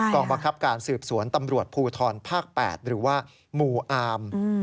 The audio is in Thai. องบังคับการสืบสวนตำรวจภูทรภาค๘หรือว่าหมู่อาม